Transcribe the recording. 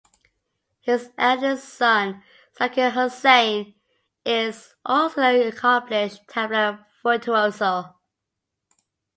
His eldest son, Zakir Hussain is also an accomplished tabla virtuoso.